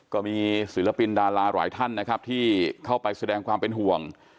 ก็มีศิลปินดาราหลายท่านนะครับที่เข้าไปแสดงความเป็นห่วง